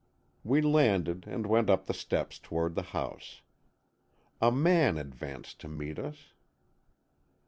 We landed and went up the steps toward the house. A man advanced to meet us.